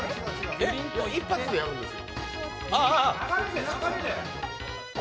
一発でやるんですよ。